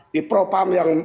di propam yang